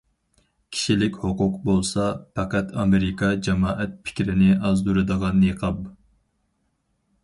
« كىشىلىك ھوقۇق» بولسا، پەقەت ئامېرىكا جامائەت پىكرىنى ئازدۇرىدىغان نىقاب.